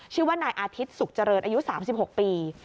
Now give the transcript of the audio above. ชื่อว่านายอาทิตย์สุขเจริญอายุ๓๖ปี